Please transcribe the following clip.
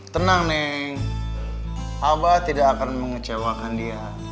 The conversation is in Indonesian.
tenang nih abah tidak akan mengecewakan dia